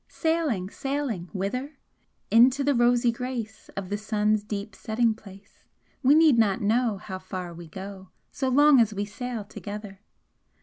Sailing, sailing! Whither? Into the rosy grace Of the sun's deep setting place? We need not know How far we go, So long as we sail together!